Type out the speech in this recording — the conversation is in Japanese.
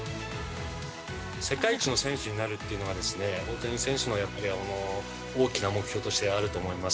世界一の選手になるっていうのが、大谷選手のやっぱり大きな目標としてあると思います。